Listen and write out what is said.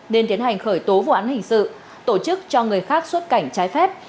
nên tiến hành khởi tố vụ án hình sự tổ chức cho người khác xuất cảnh trái phép